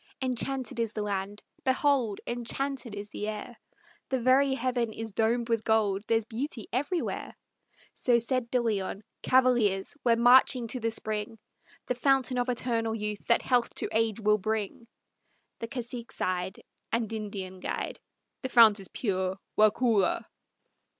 Enchanted is the land; behold! enchanted is the air; The very heaven is domed with gold; there's beauty everywhere!" So said De Leon. "Cavaliers, We're marching to the spring, The fountain of eternal youth that health to age will bring!" The cacique sighed, And Indian guide, "The fount is pure, Waukulla!"